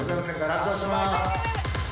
落札します。